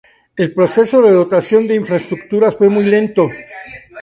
El proceso de dotación de infraestructuras fue muy lento.